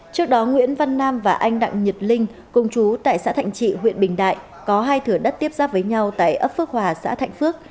trước đó nguyễn văn nam và anh đặng nhật linh công chú tại xã thạnh trị huyện bình đại có hai thửa đất tiếp giáp với nhau tại ấp phước hòa xã thạnh phước